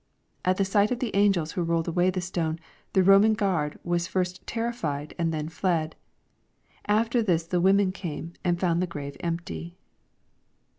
At the sight of the angels who rolled away the stone, the Roman guard was first terrified and then fled. After this the women came, and found the grave empty.